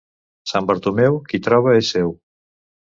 Sant Bartomeu, qui troba és seu.